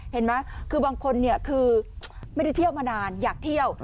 เห็นไหมคือบางคนคือไม่ได้เที่ยวมานานอยากเที่ยว